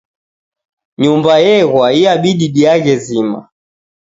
Nyumba eghwa iabidi diaghe zima.